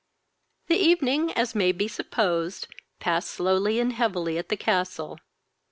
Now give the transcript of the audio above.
The evening, as may be supposed, passed slowly and heavily at the castle.